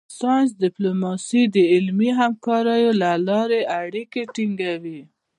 ساینس ډیپلوماسي د علمي همکاریو له لارې اړیکې ټینګوي